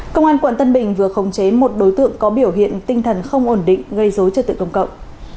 công an quận tân bình vừa khống chế một đối tượng có biểu hiện tinh thần không ổn định gây dối trật tự công cộng